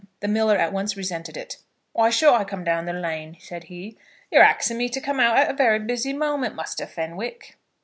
The miller at once resented it. "Why should I come down the lane?" said he. "You're axing me to come out at a very busy moment, Muster Fenwick."